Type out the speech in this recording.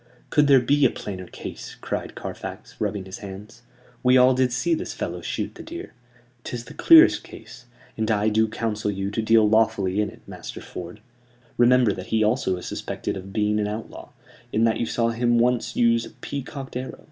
"Could there be a plainer case?" cried Carfax, rubbing his hands. "We all did see this fellow shoot the deer. Tis the clearest case; and I do counsel you to deal lawfully in it, Master Ford. Remember that he also is suspected of being an outlaw, in that you saw him once use a peacocked arrow.